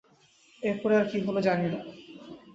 এরপরে আর কি হলো জানি না।